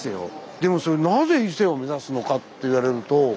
でも「なぜ伊勢を目指すのか」って言われるとそうですね。